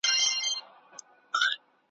بیهوده د خون تورونه په بل بل ږدي